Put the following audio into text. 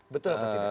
betul apa tidak